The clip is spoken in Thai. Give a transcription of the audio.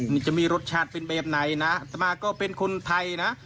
นี่จะมีรสชาติเป็นแบบไหนนะสมาก็เป็นคนไทยนะ